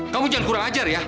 kamu hujan kurang ajar ya